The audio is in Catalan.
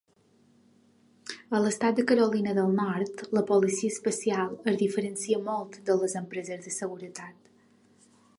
A l'estat de Carolina del Nord, la policia especial es diferencia molt de les empreses de seguretat.